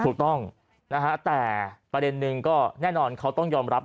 ถูกต้องนะฮะแต่ประเด็นนึงก็แน่นอนเขาต้องยอมรับ